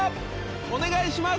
お願いします！